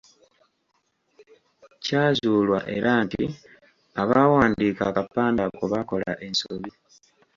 Kyazuulwa era nti abaawandiika akapande ako baakola ensobi.